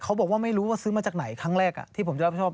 เขาบอกว่าไม่รู้ว่าซื้อมาจากไหนครั้งแรกที่ผมจะรับผิดชอบ